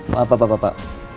maaf pak pak pak pak